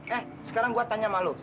eh sekarang gue tanya sama lo